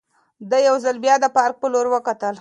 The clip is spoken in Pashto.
ده یو ځل بیا د پارک په لور وکتل.